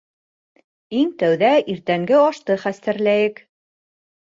Иң тәүҙә иртәнге ашты хәстәрләйек.